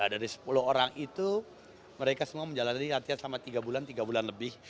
dari sepuluh orang itu mereka semua menjalani latihan selama tiga bulan tiga bulan lebih